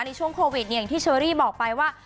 ในช่วงโควิดอย่างที่เชอรี่บอกไปว่า